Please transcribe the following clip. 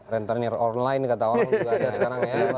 rentenir online kata orang juga ada sekarang ya